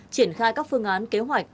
triển khai các phương án kế hoạch